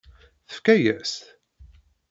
Tefka-yas-t?